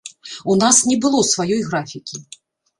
У нас не было сваёй графікі.